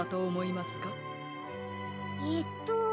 えっと。